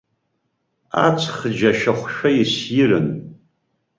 Аҵх џьашьахәшәа иссирын.